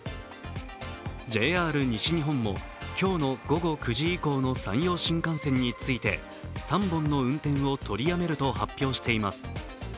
ＪＲ西日本も今日の午後９時以降の山陽新幹線について３本の運転をとりやめると発表しています。